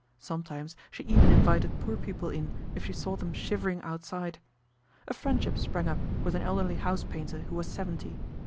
Sometimes she even invited poor people in if she saw them shivering outside. A friendship sprang up with an elderly house painter who was seventy.